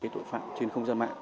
tội phạm trên không gian mạng